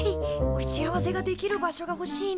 打ち合わせができる場所がほしいね。